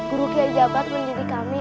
guru kiajabat menjadi kami